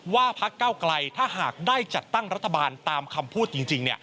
พักเก้าไกลถ้าหากได้จัดตั้งรัฐบาลตามคำพูดจริง